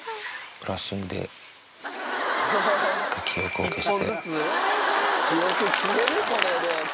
ブラッシングで記憶を消して。